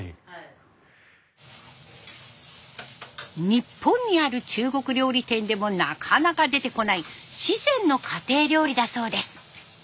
日本にある中国料理店でもなかなか出てこない四川の家庭料理だそうです。